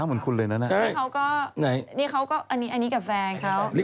อันนี้กับแฟนเขาแฟนใหม่